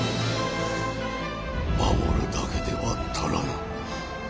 守るだけでは足らぬ。